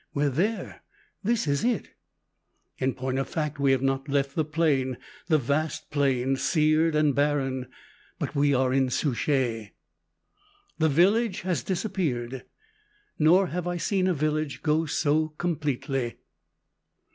We're there this is it " In point of fact we have not left the plain, the vast plain, seared and barren but we are in Souchez! The village has disappeared, nor have I seen a village go so completely.